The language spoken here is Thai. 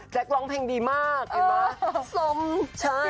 แด็กซ์ร้องเพลงดีมากเห็นไหม